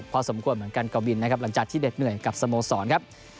พอสมควรเหมือนกันกวินนะครับหลังจากที่เด็ดเหนื่อยกับสโมสรครับ